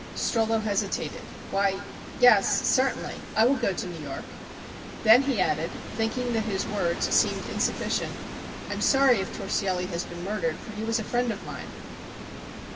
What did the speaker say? Strollo hesitated. "Why yes certainly. I will go to New York." Then he added, thinking that his words seemed insufficient, "I am sorry if Torsielli has been murdered, for he was a friend of mine."